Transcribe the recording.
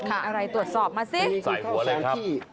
อะไรตรวจสอบมาสิใส่หัวเลยครับ